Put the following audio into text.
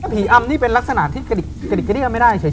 ผีอำนี่เป็นลักษณะที่กระดิกกระเดี้ยวไม่ได้เฉย